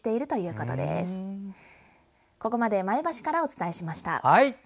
ここまで前橋からお伝えしました。